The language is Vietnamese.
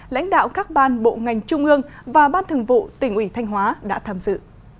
lãnh đạo các ban bộ ngành trung ương và ban thường vụ tỉnh ủy thanh hóa đã tham dự